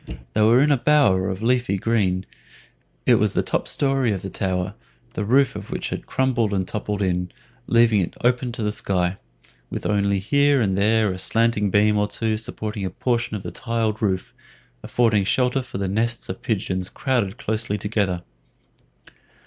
They were in a bower of leafy green. It was the top story of the tower, the roof of which had crumbled and toppled in, leaving it open to the sky, with only here and there a slanting beam or two supporting a portion of the tiled roof, affording shelter for the nests of the pigeons crowded closely together.